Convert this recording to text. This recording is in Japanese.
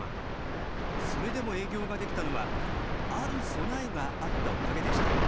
それでも営業ができたのはある備えがあったおかげでした。